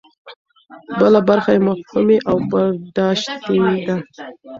بله برخه یې مفهومي او برداشتي ده.